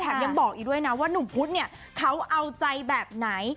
ยังบอกอีกด้วยนะว่าหนุ่มพุธเนี่ยเขาเอาใจแบบไหน